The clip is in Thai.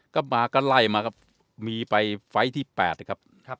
ก็มาก็ไล่มาครับมีไปไฟล์ที่๘นะครับ